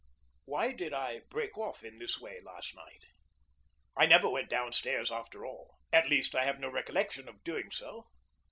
Why did I break off in this way last night? I never went down stairs, after all at least, I have no recollection of doing so.